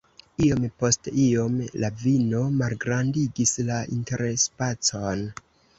Iom post iom, la vino malgrandigis la interspacon.